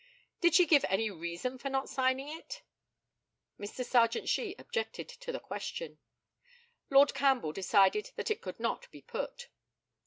Did she give any reason for not signing it? Mr. Sergeant SHEE objected to the question. Lord CAMPBELL decided that it could not be put.